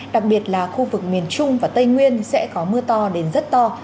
đặc biệt là khu vực miền trung và tây nguyên sẽ có mưa to đến rất to